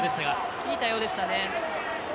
いい対応でしたね。